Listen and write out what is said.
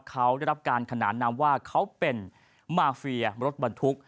เขาได้รับการขนานนามว่าเขาเป็นมาเฟียรถบรรทุก